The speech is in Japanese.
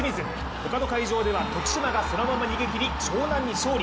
他の会場では徳島がそのまま逃げきり、湘南に勝利。